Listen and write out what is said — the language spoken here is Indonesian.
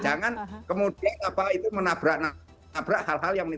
jangan kemudian apa itu menabrak hal hal yang menit